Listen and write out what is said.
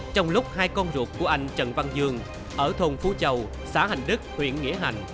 trong lúc hai con ruột của anh trần văn dương ở thôn phú châu xã hành đức huyện nghĩa hành